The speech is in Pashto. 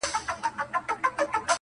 نن مي واخله پر سر یو مي سه تر سونډو،